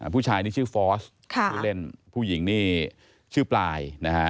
ผู้ชายนี่ชื่อฟอสผู้หญิงนี่ชื่อปลาย